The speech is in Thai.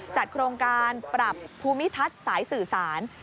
จัดโครงการปรับภูมิทัศน์สายสื่อสาร